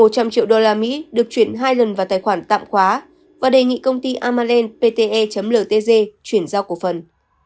một trăm linh triệu đô la mỹ được chuyển hai lần vào tài khoản tạm khóa và đề nghị công ty amalen pte ltg chuyển giao cổ phần